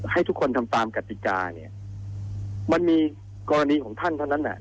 ให้ทุกคนทำตามกฎิกามันมีกรณีของท่านเท่านั้น